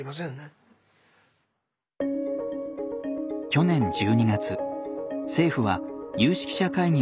去年１２月政府は有識者会議を立ち上げ